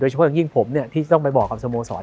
เฉพาะอย่างยิ่งผมที่ต้องไปบอกกับสโมสร